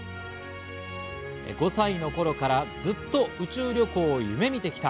５歳の頃からずっと宇宙旅行を夢見てきた。